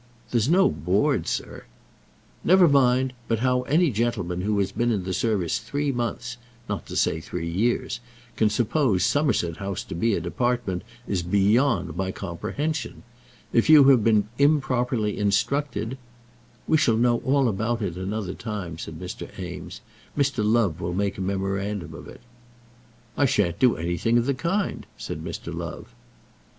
"There's no Board, sir." "Never mind; but how any gentleman who has been in the service three months, not to say three years, can suppose Somerset House to be a department, is beyond my comprehension. If you have been improperly instructed " "We shall know all about it another time," said Eames. "Mr. Love will make a memorandum of it." "I shan't do anything of the kind," said Mr. Love.